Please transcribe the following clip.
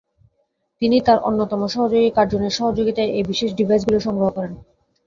তিনি তাঁর অন্যতম সহযোগী কার্জনের সহযোগিতায় এই বিশেষ ডিভাইসগুলো সংগ্রহ করেন।